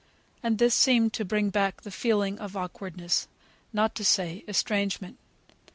And this seemed to bring back the feeling of awkwardness, not to say estrangement.